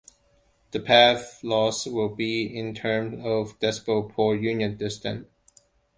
The path loss will be in terms of decibels per unit distance.